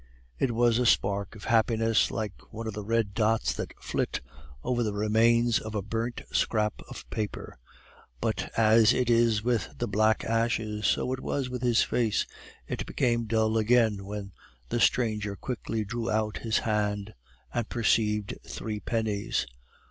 It was a spark of happiness like one of the red dots that flit over the remains of a burnt scrap of paper; but as it is with the black ashes, so it was with his face, it became dull again when the stranger quickly drew out his hand and perceived three pennies.